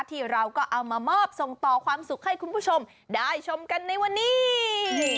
ที่เราก็เอามามอบส่งต่อความสุขให้คุณผู้ชมได้ชมกันในวันนี้